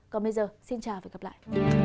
còn bây giờ xin chào và hẹn gặp lại